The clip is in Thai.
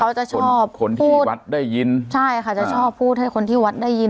เขาจะชอบคนที่วัดได้ยินใช่ค่ะจะชอบพูดให้คนที่วัดได้ยิน